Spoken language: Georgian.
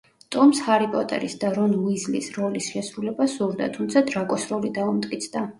ტომს ჰარი პოტერის და რონ უისლის როლის შესრულება სურდა, თუმცა დრაკოს როლი დაუმტკიცდა.